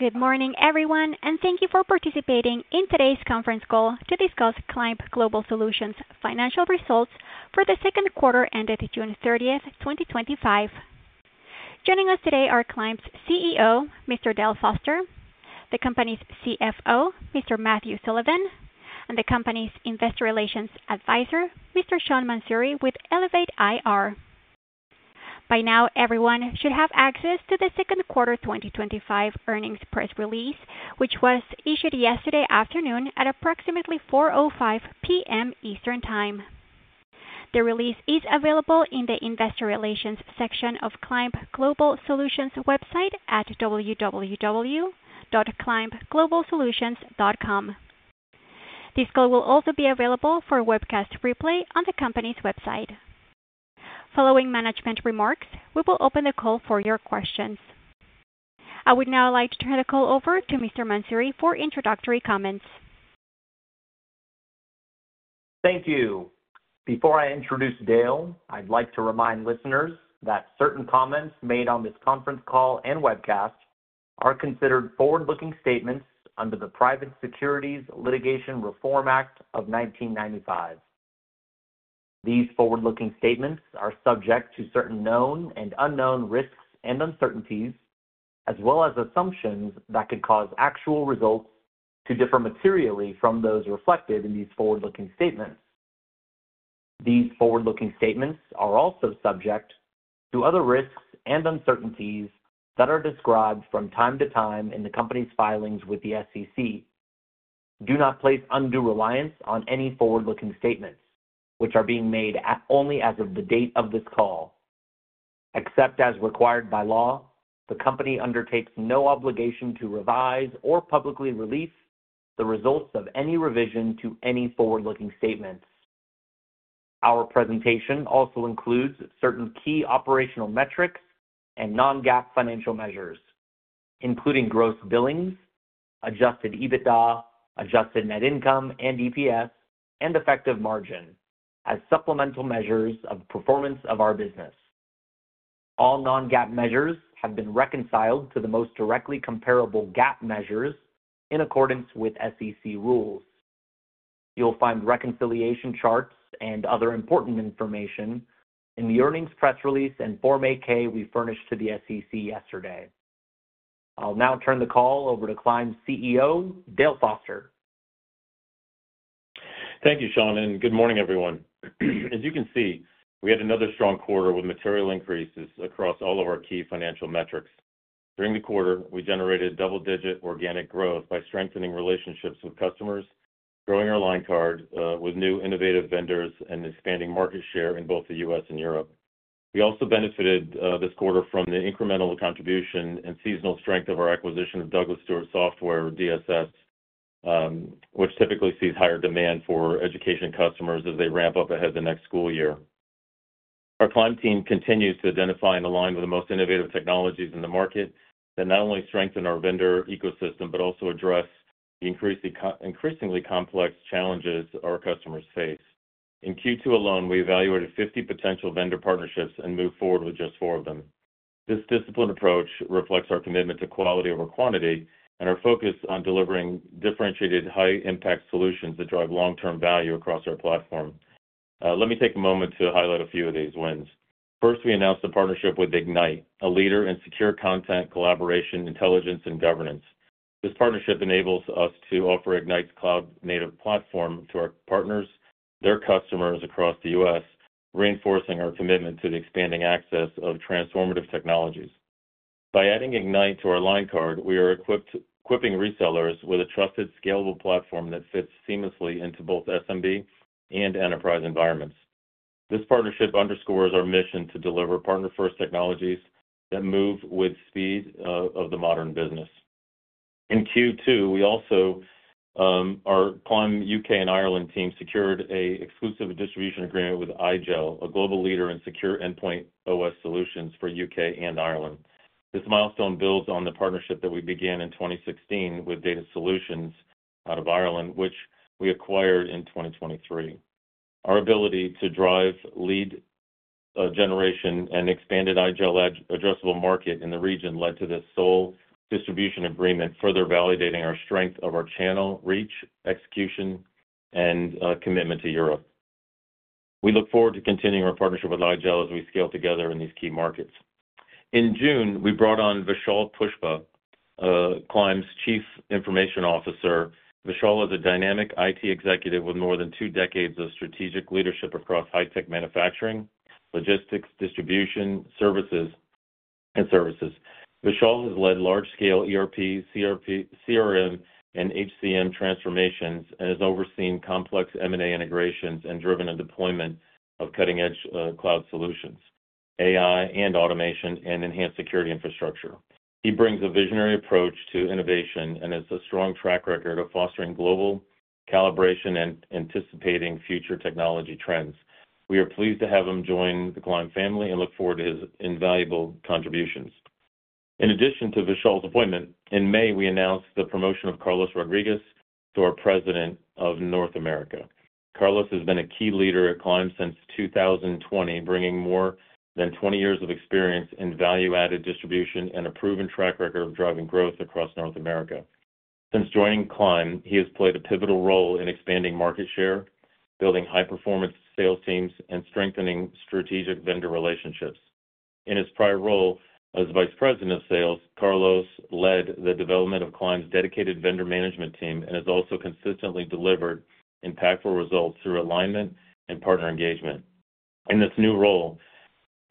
Good morning, everyone, and thank you for participating in today's conference call to discuss Climb Global Solutions' financial results for the second quarter ended June 30th, 2025. Joining us today are Climb's CEO, Mr. Dale Foster, the company's CFO, Mr. Matthew Sullivan, and the company's Investor Relations Advisor, Mr. Sean Mansouri, with Elevate IR. By now, everyone should have access to the second quarter 2025 earnings press release, which was issued yesterday afternoon at approximately 4:05 P.M. Eastern Time. The release is available in the Investor Relations section of Climb Global Solutions' website at www.climbglobalsolutions.com. This call will also be available for a webcast replay on the company's website. Following management remarks, we will open the call for your questions. I would now like to turn the call over to Mr. Mansouri for introductory comments. Thank you. Before I introduce Dale, I'd like to remind listeners that certain comments made on this conference call and webcast are considered forward-looking statements under the Private Securities Litigation Reform Act of 1995. These forward-looking statements are subject to certain known and unknown risks and uncertainties, as well as assumptions that could cause actual results to differ materially from those reflected in these forward-looking statements. These forward-looking statements are also subject to other risks and uncertainties that are described from time to time in the company's filings with the SEC. Do not place undue reliance on any forward-looking statements, which are being made only as of the date of this call. Except as required by law, the company undertakes no obligation to revise or publicly release the results of any revision to any forward-looking statement. Our presentation also includes certain key operational metrics and non-GAAP financial measures, including gross billings, adjusted EBITDA, adjusted net income and EPS, and effective margin as supplemental measures of the performance of our business. All non-GAAP measures have been reconciled to the most directly comparable GAAP measures in accordance with SEC rules. You'll find reconciliation charts and other important information in the earnings press release and Form 8-K we furnished to the SEC yesterday. I'll now turn the call over to Climb's CEO, Dale Foster. Thank you, Sean, and good morning, everyone. As you can see, we had another strong quarter with material increases across all of our key financial metrics. During the quarter, we generated double-digit organic growth by strengthening relationships with customers, growing our line card with new innovative vendors, and expanding market share in both the U.S. and Europe. We also benefited this quarter from the incremental contribution and seasonal strength of our acquisition of Douglas Stewart Software, DSS, which typically sees higher demand for education customers as they ramp up ahead of the next school year. Our Climb team continues to identify and align with the most innovative technologies in the market that not only strengthen our vendor ecosystem, but also address the increasingly complex challenges our customers face. In Q2 alone, we evaluated 50 potential vendor partnerships and moved forward with just four of them. This disciplined approach reflects our commitment to quality over quantity and our focus on delivering differentiated, high-impact solutions that drive long-term value across our platform. Let me take a moment to highlight a few of these wins. First, we announced a partnership with Ignite, a leader in secure content, collaboration, intelligence, and governance. This partnership enables us to offer Ignite's cloud-native platform to our partners and their customers across the U.S., reinforcing our commitment to expanding access to transformative technologies. By adding Ignite to our line card, we are equipping resellers with a trusted, scalable platform that fits seamlessly into both SMB and enterprise environments. This partnership underscores our mission to deliver partner-first technologies that move with the speed of the modern business. In Q2, our Climb U.K. and Ireland team secured an exclusive distribution agreement with IGEL, a global leader in secure endpoint OS solutions for the U.K. and Ireland. This milestone builds on the partnership that we began in 2016 with DataSolutions out of Ireland, which we acquired in 2023. Our ability to drive lead generation and expand IGEL's addressable market in the region led to this sole distribution agreement, further validating the strength of our channel, reach, execution, and commitment to Europe. We look forward to continuing our partnership with IGEL as we scale together in these key markets. In June, we brought on Vishal Pushpa, Climb's Chief Information Officer. Vishal is a dynamic IT executive with more than two decades of strategic leadership across high-tech manufacturing, logistics, distribution, services, and services. Vishal has led large-scale ERP, CRM, and HCM transformations and has overseen complex M&A integrations and driven the deployment of cutting-edge cloud solutions, AI, automation, and enhanced security infrastructure. He brings a visionary approach to innovation and has a strong track record of fostering global calibration and anticipating future technology trends. We are pleased to have him join the Climb family and look forward to his invaluable contributions. In addition to Vishal's appointment, in May, we announced the promotion of Carlos Rodriguez to our President of North America. Carlos has been a key leader at Climb since 2020, bringing more than 20 years of experience in value-added distribution and a proven track record of driving growth across North America. Since joining Climb, he has played a pivotal role in expanding market share, building high-performance sales teams, and strengthening strategic vendor relationships. In his prior role as Vice President of Sales, Carlos led the development of Climb's dedicated vendor management team and has also consistently delivered impactful results through alignment and partner engagement. In this new role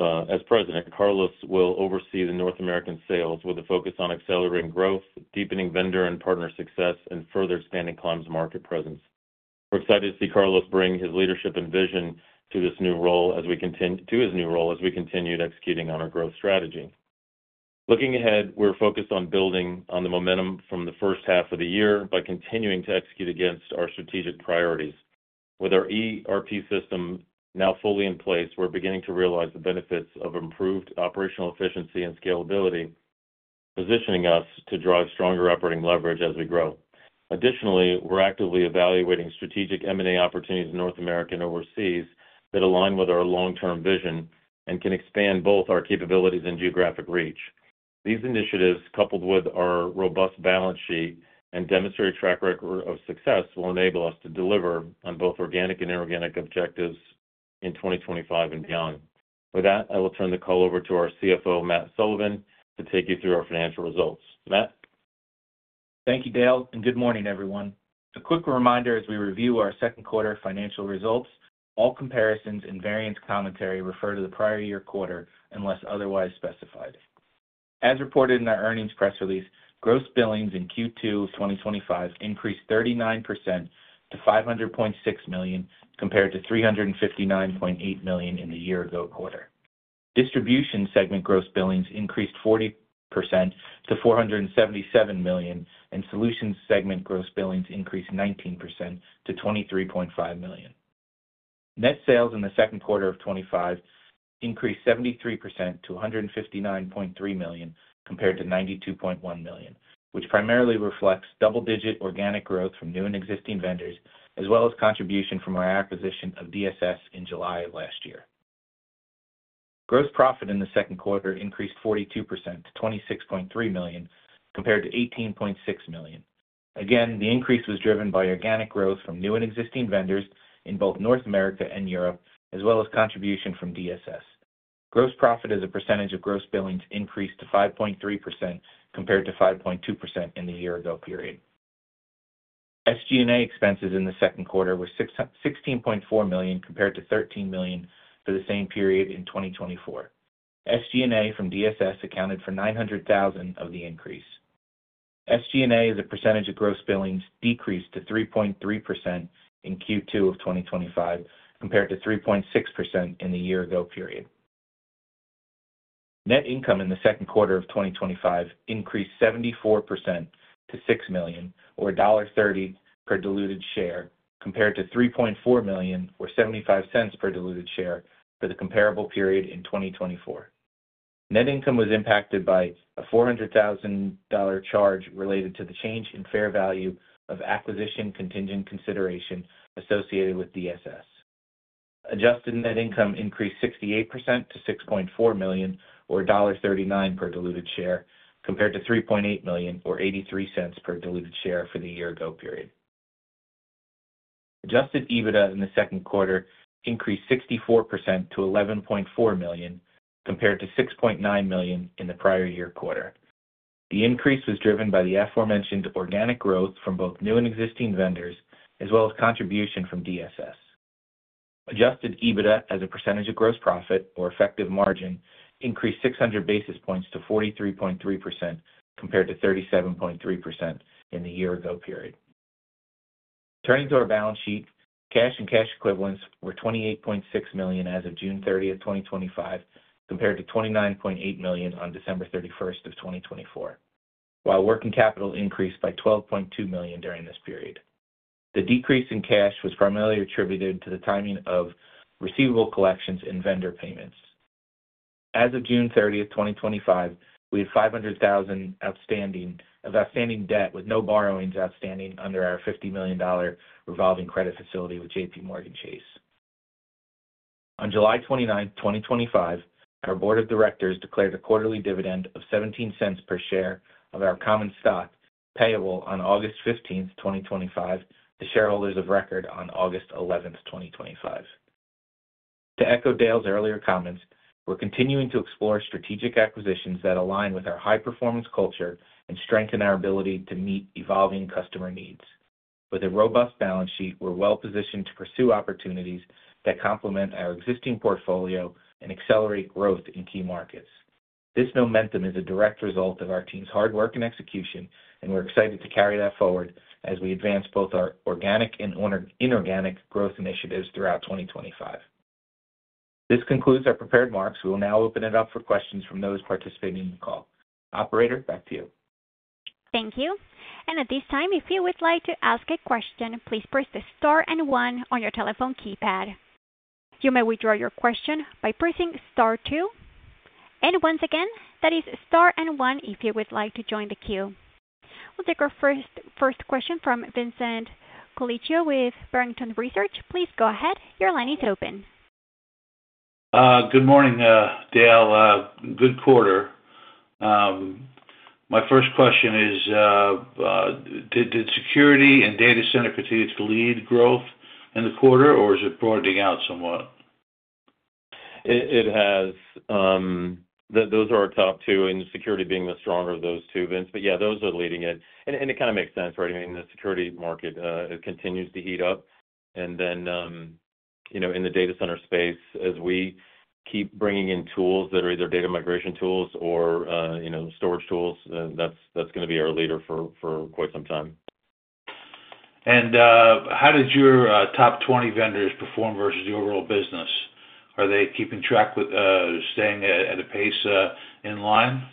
as President, Carlos will oversee the North American sales with a focus on accelerating growth, deepening vendor and partner success, and further expanding Climb's market presence. We're excited to see Carlos bring his leadership and vision to this new role as we continue executing on our growth strategy. Looking ahead, we're focused on building on the momentum from the first half of the year by continuing to execute against our strategic priorities. With our ERP system now fully in place, we're beginning to realize the benefits of improved operational efficiency and scalability, positioning us to drive stronger operating leverage as we grow. Additionally, we're actively evaluating strategic M&A opportunities in North America and overseas that align with our long-term vision and can expand both our capabilities and geographic reach. These initiatives, coupled with our robust balance sheet and demonstrated track record of success, will enable us to deliver on both organic and inorganic objectives in 2025 and beyond. With that, I will turn the call over to our CFO, Matthew Sullivan, to take you through our financial results. Matt? Thank you, Dale, and good morning, everyone. A quick reminder as we review our second quarter financial results, all comparisons and variance commentary refer to the prior year quarter unless otherwise specified. As reported in our earnings press release, gross billings in Q2 of 2025 increased 39% to $500.6 million compared to $359.8 million in the year-ago quarter. Distribution segment gross billings increased 40% to $477 million, and solutions segment gross billings increased 19% to $23.5 million. Net sales in the second quarter of 2025 increased 73% to $159.3 million compared to $92.1 million, which primarily reflects double-digit organic growth from new and existing vendors, as well as contribution from our acquisition of DSS in July of last year. Gross profit in the second quarter increased 42% to $26.3 million compared to $18.6 million. Again, the increase was driven by organic growth from new and existing vendors in both North America and Europe, as well as contribution from DSS. Gross profit as a percentage of gross billings increased to 5.3% compared to 5.2% in the year-ago period. SG&A expenses in the second quarter were $16.4 million compared to $13 million for the same period in 2024. SG&A from DSS accounted for $900,000 of the increase. SG&A as a percentage of gross billings decreased to 3.3% in Q2 of 2025 compared to 3.6% in the year-ago period. Net income in the second quarter of 2025 increased 74% to $6 million, or $1.30 per diluted share, compared to $3.4 million, or $0.75 per diluted share for the comparable period in 2024. Net income was impacted by a $400,000 charge related to the change in fair value of acquisition contingent consideration associated with DSS. Adjusted net income increased 68% to $6.4 million, or $1.39 per diluted share, compared to $3.8 million, or $0.83 per diluted share for the year-ago period. Adjusted EBITDA in the second quarter increased 64% to $11.4 million, compared to $6.9 million in the prior year quarter. The increase was driven by the aforementioned organic growth from both new and existing vendors, as well as contribution from DSS. Adjusted EBITDA as a percentage of gross profit, or effective margin, increased 600 basis points to 43.3% compared to 37.3% in the year-ago period. Turning to our balance sheet, cash and cash equivalents were $28.6 million as of June 30th, 2025, compared to $29.8 million on December 31st, 2024, while working capital increased by $12.2 million during this period. The decrease in cash was primarily attributed to the timing of receivable collections and vendor payments. As of June 30th, 2025, we have $500,000 of outstanding debt with no borrowings outstanding under our $50 million revolving credit facility with JPMorgan Chase. On July 29th, 2025, our Board of Directors declared a quarterly dividend of $0.17 per share of our common stock payable on August 15th, 2025, to shareholders of record on August 11th, 2025. To echo Dale's earlier comments, we're continuing to explore strategic acquisitions that align with our high-performance culture and strengthen our ability to meet evolving customer needs. With a robust balance sheet, we're well-positioned to pursue opportunities that complement our existing portfolio and accelerate growth in key markets. This momentum is a direct result of our team's hard work and execution, and we're excited to carry that forward as we advance both our organic and inorganic growth initiatives throughout 2025. This concludes our prepared marks. We will now open it up for questions from those participating in the call. Operator, back to you. Thank you. At this time, if you would like to ask a question, please press the star and one on your telephone keypad. You may withdraw your question by pressing star two. Once again, that is star and one if you would like to join the queue. We'll take our first question from Vincent Coliccio with Barrington Research. Please go ahead. Your line is open. Good morning, Dale. Good quarter. My first question is, did security and data center continue to lead growth in the quarter, or is it broadening out somewhat? It has. Those are our top two, and security being the stronger of those two, Vince. Yeah, those are leading it. It kind of makes sense, right? I mean, the security market continues to heat up. In the data center space, as we keep bringing in tools that are either data migration tools or storage tools, that's going to be our leader for quite some time. How does your top 20 vendors perform versus your overall business? Are they keeping track with staying at a pace in line?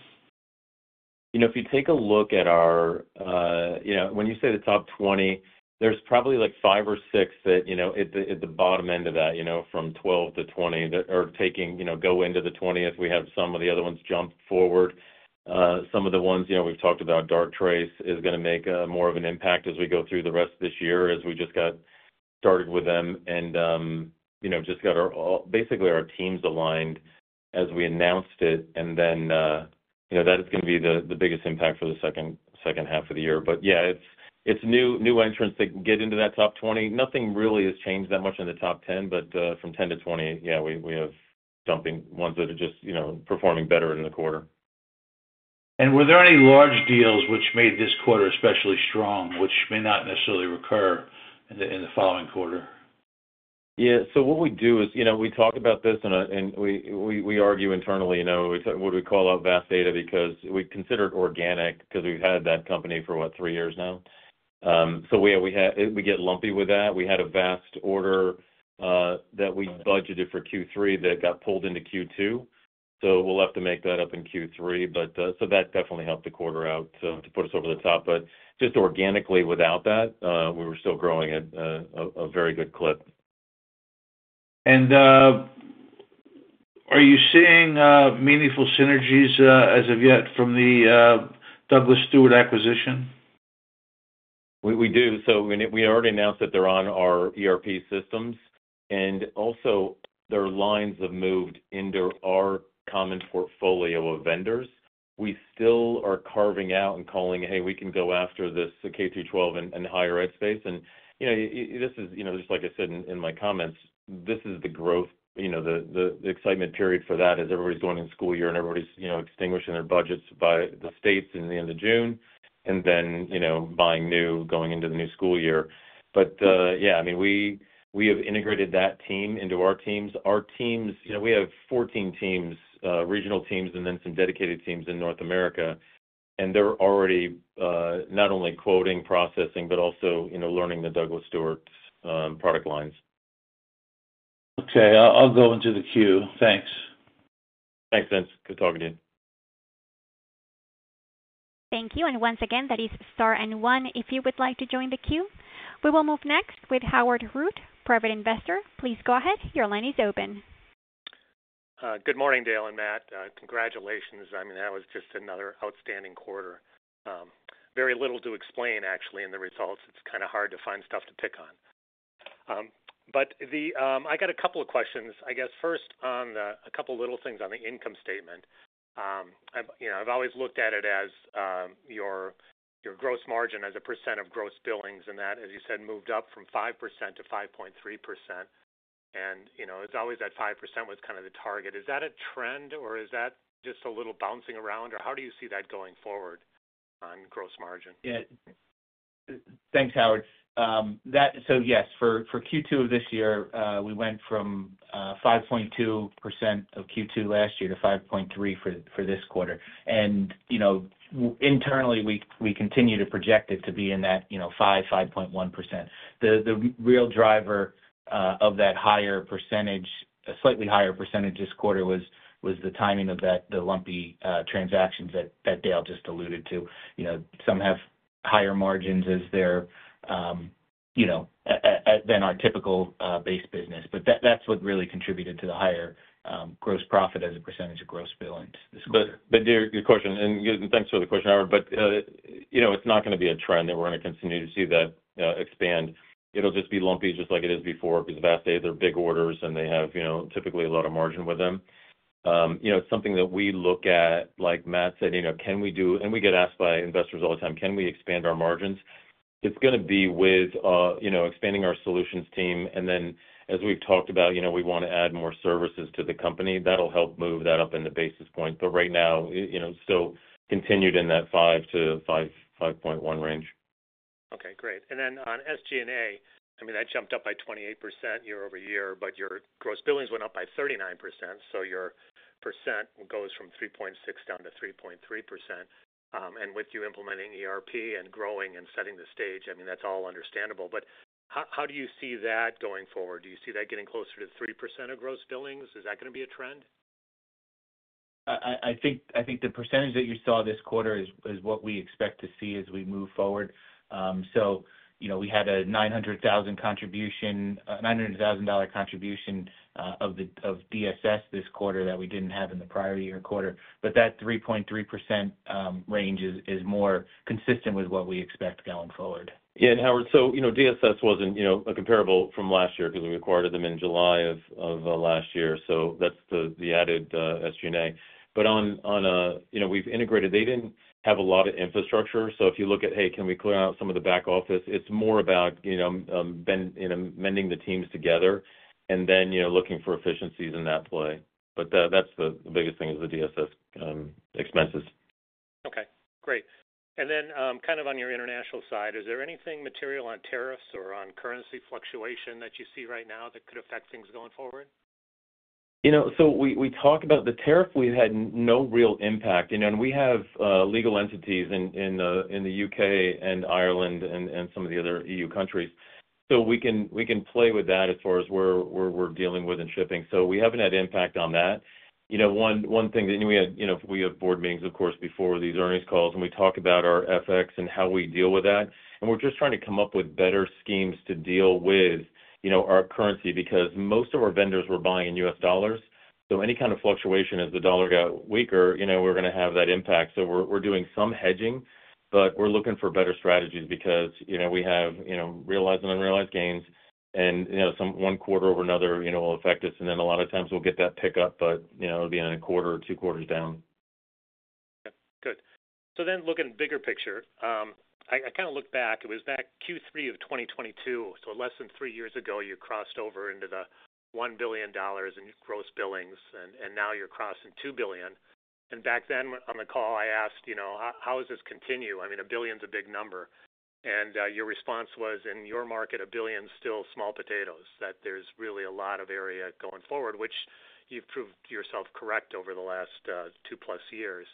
If you take a look at our, when you say the top 20, there's probably like five or six that, at the bottom end of that, from 12-20, that are taking, go into the 20th. We have some of the other ones jump forward. Some of the ones we've talked about, Darktrace is going to make more of an impact as we go through the rest of this year as we just got started with them and just got our teams aligned as we announced it. That is going to be the biggest impact for the second half of the year. It's new entrants that get into that top 20. Nothing really has changed that much in the top 10, but from 10-20, we have jumping ones that are just performing better in the quarter. Were there any large deals which made this quarter especially strong, which may not necessarily recur in the following quarter? Yeah, so what we do is, you know, we talk about this and we argue internally, you know, what we call our vast data because we consider it organic because we've had that company for, what, three years now. We get lumpy with that. We had a vast order that we budgeted for Q3 that got pulled into Q2. We'll have to make that up in Q3. That definitely helped the quarter out to put us over the top. Just organically, without that, we were still growing at a very good clip. Are you seeing meaningful synergies as of yet from the Douglas Stewart acquisition? We do. We already announced that they're on our ERP system, and also their lines have moved into our common portfolio of vendors. We still are carving out and calling, "Hey, we can go after the K through 12 and higher-ed space." This is, just like I said in my comments, the growth, the excitement period for that as everybody's going into the school year and everybody's extinguishing their budgets by the states at the end of June, then buying new, going into the new school year. Yeah, we have integrated that team into our teams. Our teams, we have 14 teams, regional teams, and then some dedicated teams in North America. They're already not only quoting, processing, but also learning the Douglas Stewart's product lines. Okay, I'll go into the queue. Thanks. Thanks, Vince. Good talking to you. Thank you. Once again, that is star and one if you would like to join the queue. We will move next with Howard Root, private investor. Please go ahead. Your line is open. Good morning, Dale and Matt. Congratulations. I mean, that was just another outstanding quarter. Very little to explain, actually, in the results. It's kind of hard to find stuff to pick on. I got a couple of questions. I guess first on a couple of little things on the income statement. You know, I've always looked at it as your gross margin as a percent of gross billings, and that, as you said, moved up from 5% to 5.3%. You know, it's always at 5% was kind of the target. Is that a trend or is that just a little bouncing around, or how do you see that going forward on gross margin? Yeah, thanks, Howard. For Q2 of this year, we went from 5.2% in Q2 last year to 5.3% for this quarter. You know, internally, we continue to project it to be in that 5%, 5.1% range. The real driver of that higher percentage, a slightly higher percentage this quarter, was the timing of the lumpy transactions that Dale just alluded to. Some have higher margins than our typical base business. That's what really contributed to the higher gross profit as a percentage of gross billings. Thank you for the question, Howard. You know, it's not going to be a trend that we're going to continue to see expand. It'll just be lumpy, just like it is before, because the vast days are big orders and they have, you know, typically a lot of margin with them. It's something that we look at, like Matt said, you know, can we do, and we get asked by investors all the time, can we expand our margins? It's going to be with expanding our solutions team. As we've talked about, we want to add more services to the company. That'll help move that up in the basis point. Right now, still continued in that 5%-5.1% range. Okay, great. On SG&A, that jumped up by 28% year-over-year, but your gross billings went up by 39%. Your percent goes from 3.6% down to 3.3%. With you implementing ERP and growing and setting the stage, that's all understandable. How do you see that going forward? Do you see that getting closer to 3% of gross billings? Is that going to be a trend? I think the percentage that you saw this quarter is what we expect to see as we move forward. We had a $900,000 contribution of DSS this quarter that we didn't have in the prior year quarter. That 3.3% range is more consistent with what we expect going forward. Yeah, Howard, DSS wasn't a comparable from last year because we acquired them in July of last year. That's the added SG&A. We've integrated; they didn't have a lot of infrastructure. If you look at, hey, can we clear out some of the back office, it's more about bending the teams together and then looking for efficiencies in that play. The biggest thing is the DSS expenses. Okay, great. On your international side, is there anything material on tariffs or on currency fluctuation that you see right now that could affect things going forward? We talked about the tariff. We've had no real impact. We have legal entities in the U.K. and Ireland and some of the other EU countries. We can play with that as far as where we're dealing with and shipping. We haven't had impact on that. One thing that we had, we have board meetings, of course, before these earnings calls, and we talk about our FX and how we deal with that. We're just trying to come up with better schemes to deal with our currency because most of our vendors we're buying in U.S. dollars. Any kind of fluctuation as the dollar got weaker, we're going to have that impact. We're doing some hedging, but we're looking for better strategies because we have realized and unrealized gains. Some one quarter over another will affect us. A lot of times we'll get that pickup, but it'll be in a quarter or two quarters down. Yeah, good. Looking at the bigger picture, I kind of looked back. It was back Q3 of 2022, so less than three years ago, you crossed over into the $1 billion in gross billings, and now you're crossing $2 billion. Back then on the call, I asked, you know, how does this continue? I mean, a billion is a big number. Your response was, in your market, $1 billion is still small potatoes, that there's really a lot of area going forward, which you've proved yourself correct over the last two plus years.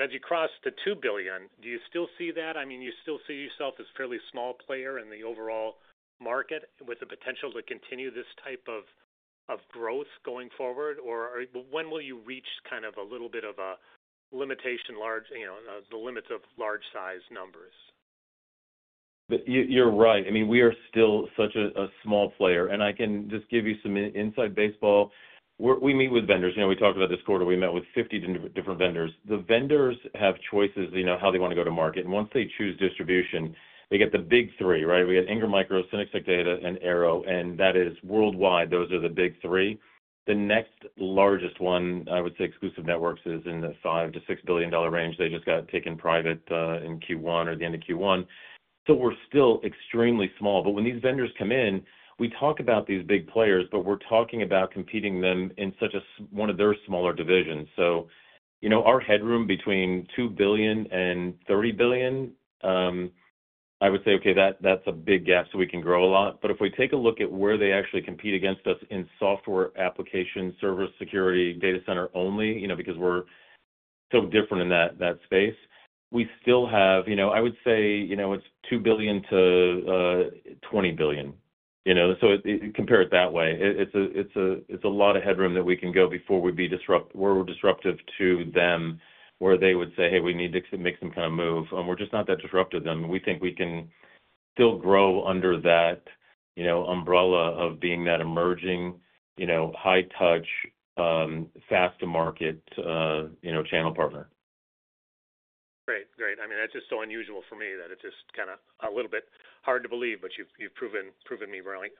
As you cross the $2 billion, do you still see that? I mean, you still see yourself as a fairly small player in the overall market with the potential to continue this type of growth going forward? When will you reach kind of a little bit of a limitation, large, you know, the limits of large size numbers? You're right. I mean, we are still such a small player. I can just give you some inside baseball. We meet with vendors. We talked about this quarter. We met with 50 different vendors. The vendors have choices, you know, how they want to go to market. Once they choose distribution, they get the big three, right? We got Ingram Micro, Synnex, and Arrow. That is worldwide. Those are the big three. The next largest one, I would say, Exclusive Networks, is in the $5 billion-$6 billion range. They just got taken private in Q1 or the end of Q1. We are still extremely small. When these vendors come in, we talk about these big players, but we're talking about competing with them in such one of their smaller divisions. Our headroom between $2 billion and $30 billion, I would say, okay, that's a big gap. We can grow a lot. If we take a look at where they actually compete against us in software applications, server security, data center only, because we're so different in that space, we still have, I would say, it's $2 billion-$20 billion. Compare it that way. It's a lot of headroom that we can go before we'd be disruptive, where we're disruptive to them, where they would say, hey, we need to make some kind of move. We're just not that disruptive then. We think we can still grow under that umbrella of being that emerging, high-touch, fast-to-market, channel partner. Great, great. I mean, that's just so unusual for me that it's just kind of a little bit hard to believe, but you've proven me wrong.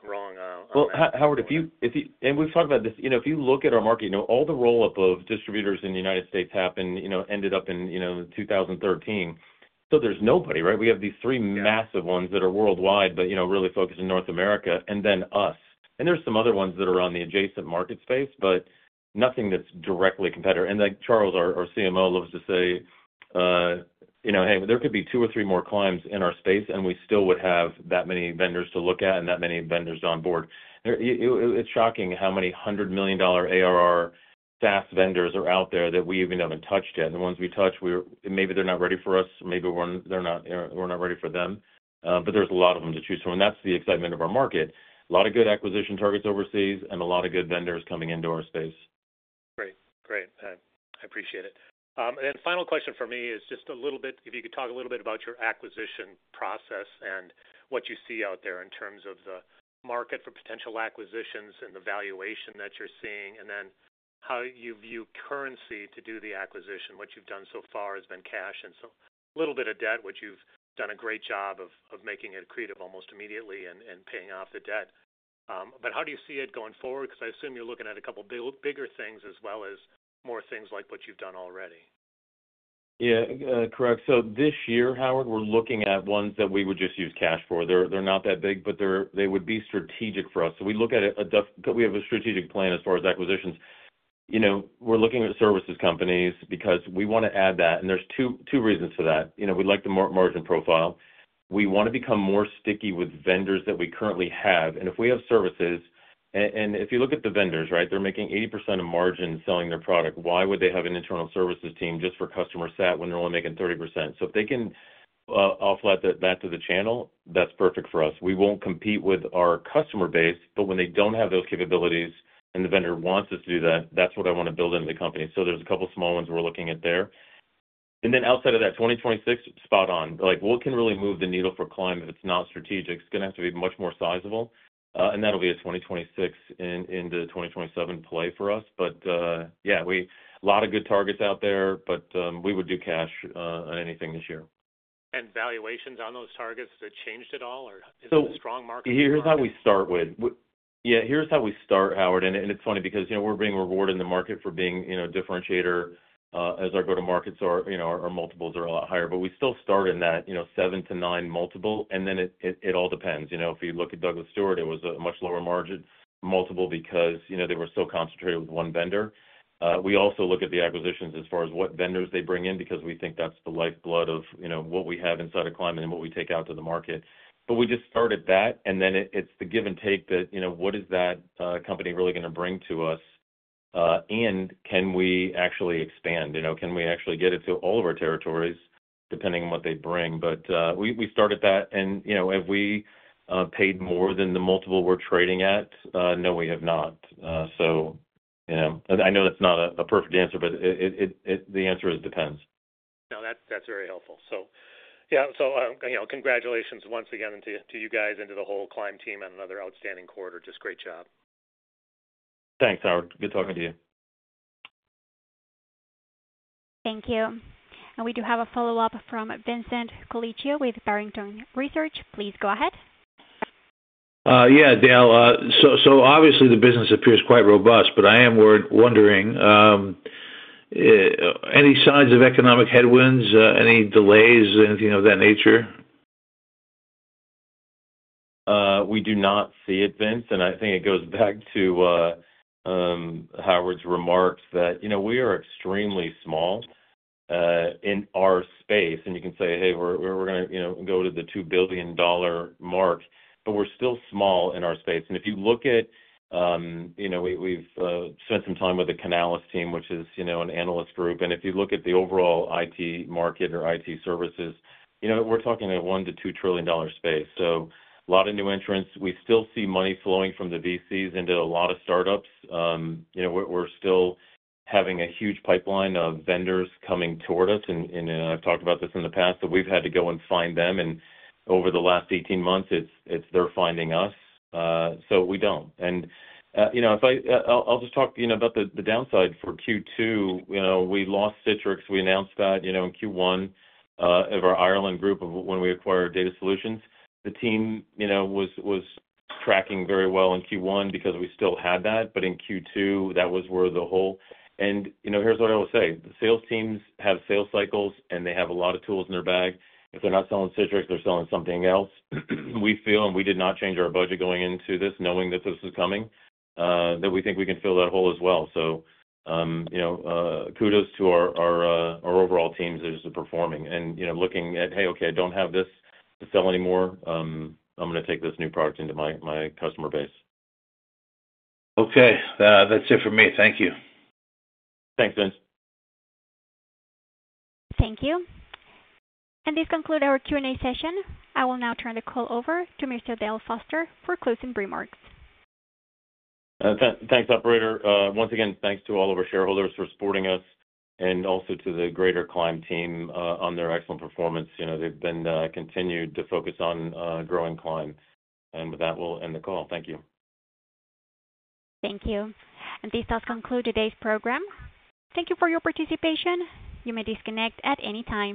If you look at our market, you know, all the roll-up of distributors in the United States happened, ended up in 2013. There is nobody, right? We have these three massive ones that are worldwide, but really focused in North America and then us. There are some other ones that are on the adjacent market space, but nothing that's directly competitive. Like Charles, our CMO, loves to say, hey, there could be two or three more Climbs in our space and we still would have that many vendors to look at and that many vendors on board. It's shocking how many $100 million ARR SaaS vendors are out there that we even haven't touched yet. The ones we touch, maybe they're not ready for us. Maybe we're not ready for them. There are a lot of them to choose from. That's the excitement of our market. A lot of good acquisition targets overseas and a lot of good vendors coming into our space. Great, great. I appreciate it. The final question for me is just a little bit, if you could talk a little bit about your acquisition process and what you see out there in terms of the market for potential acquisitions and the valuation that you're seeing. How you view currency to do the acquisition. What you've done so far has been cash and a little bit of debt, which you've done a great job of making it accretive almost immediately and paying off the debt. How do you see it going forward? I assume you're looking at a couple of bigger things as well as more things like what you've done already. Yeah, correct. This year, Howard, we're looking at ones that we would just use cash for. They're not that big, but they would be strategic for us. We look at it, we have a strategic plan as far as acquisitions. We're looking at services companies because we want to add that. There are two reasons for that. We like the margin profile. We want to become more sticky with vendors that we currently have. If we have services, and if you look at the vendors, they're making 80% of margin selling their product. Why would they have an internal services team just for customer sat when they're only making 30%? If they can offlet that to the channel, that's perfect for us. We won't compete with our customer base, but when they don't have those capabilities and the vendor wants us to do that, that's what I want to build into the company. There are a couple of small ones we're looking at there. Outside of that, 2026, spot on. What can really move the needle for Climb if it's not strategic? It's going to have to be much more sizable. That will be a 2026 into 2027 play for us. A lot of good targets out there, but we would do cash anything this year. Have valuations on those targets changed at all, or is it a strong market? Here's how we start, Howard. It's funny because we're being rewarded in the market for being a differentiator as our go-to-market. Our multiples are a lot higher, but we still start in that 7x-9x. It all depends. If you look at Douglas Stewart, it was a much lower margin multiple because they were so concentrated with one vendor. We also look at the acquisitions as far as what vendors they bring in because we think that's the lifeblood of what we have inside of Climb and what we take out to the market. We just start at that. It's the give and take, what is that company really going to bring to us? Can we actually expand? Can we actually get it to all of our territories depending on what they bring? We start at that. Have we paid more than the multiple we're trading at? No, we have not. I know that's not a perfect answer, but the answer is depends. That's very helpful. Congratulations once again to you guys and to the whole Climb team on another outstanding quarter. Just great job. Thanks, Howard. Good talking to you. Thank you. We do have a follow-up from Vincent Coliccio with Barrington Research. Please go ahead. Yeah, Dale. The business appears quite robust, but I am wondering, any signs of economic headwinds, any delays, anything of that nature? We do not see it, Vince. I think it goes back to Howard's remarks that, you know, we are extremely small in our space. You can say, hey, we're going to, you know, go to the $2 billion mark, but we're still small in our space. If you look at, you know, we've spent some time with the Canalis team, which is, you know, an analyst group. If you look at the overall IT market or IT services, you know, we're talking a $1 trillion-$2 trillion space. A lot of new entrants. We still see money flowing from the VCs into a lot of start-ups. You know, we're still having a huge pipeline of vendors coming toward us. I've talked about this in the past that we've had to go and find them. Over the last 18 months, it's they're finding us. We don't. If I'll just talk, you know, about the downside for Q2. You know, we lost Citrix. We announced that, you know, in Q1 of our Ireland group of when we acquired DataSolutions. The team, you know, was tracking very well in Q1 because we still had that. In Q2, that was where the hole. Here's what I will say. The sales teams have sales cycles and they have a lot of tools in their bag. If they're not selling Citrix, they're selling something else. We feel, and we did not change our budget going into this, knowing that this was coming, that we think we can fill that hole as well. Kudos to our overall teams as they're performing. You know, looking at, hey, okay, I don't have this to sell anymore. I'm going to take this new product into my customer base. Okay, that's it for me. Thank you. Thanks, Vince. Thank you. This concludes our Q&A session. I will now turn the call over to Mr. Dale Foster for closing remarks. Thanks, Operator. Once again, thanks to all of our shareholders for supporting us and also to the greater Climb team on their excellent performance. They've been continued to focus on growing Climb. With that, we'll end the call. Thank you. Thank you. This does conclude today's program. Thank you for your participation. You may disconnect at any time.